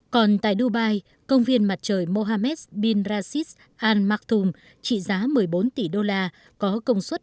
còn tại dubai công viên mặt trời mohammed bin rashid al maktoum trị giá một mươi bốn tỷ đô la có công suất năm mw